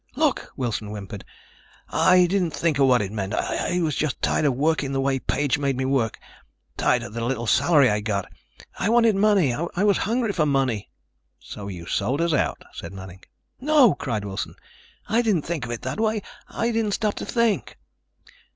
"Look," Wilson whimpered, "I didn't think of what it meant. I just was tired of working the way Page made me work. Tired of the little salary I got. I wanted money. I was hungry for money." "So you sold us out," said Manning. "No," cried Wilson, "I didn't think of it that way. I didn't stop to think."